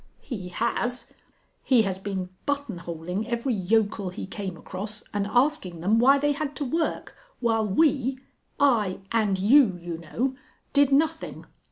_" "He has. He has been buttonholing every yokel he came across, and asking them why they had to work, while we I and you, you know did nothing.